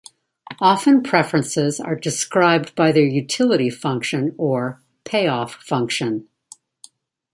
Often preferences are described by their utility function or "payoff function".